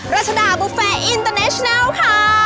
รัชดาบุแฟอินเตอร์เนชนัลค่ะ